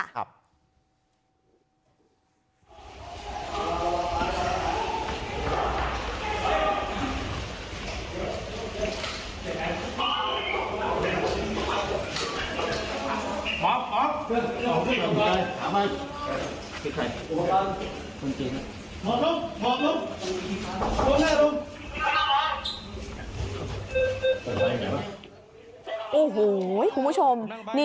โอ้โหคุณผู้ชม